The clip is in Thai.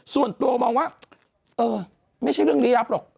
ส่วนตัวมองว่าเออไม่ใช่เรื่องลี้ลับหรอก